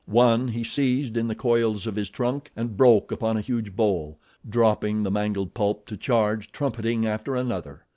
One he seized in the coils of his trunk and broke upon a huge bole, dropping the mangled pulp to charge, trumpeting, after another.